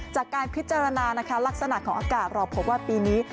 จากการพิจารณานะคะลักษณะของอากาศเราพบว่าปีนี้